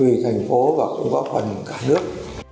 vì thành phố và cũng có phần cả nước